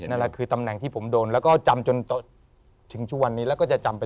นั่นแหละคือตำแหน่งที่ผมโดนแล้วก็จำจนถึงทุกวันนี้แล้วก็จะจำเป็น